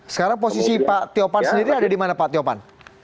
sekarang posisi pak tiopan sendiri ada dimana pak tiopan